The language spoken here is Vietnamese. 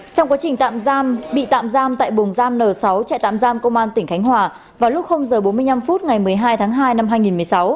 trong quá trình tạm giam bị tạm giam tại bùng giam n sáu chạy tạm giam công an tỉnh khánh hòa vào lúc h bốn mươi năm phút ngày một mươi hai tháng hai năm hai nghìn một mươi sáu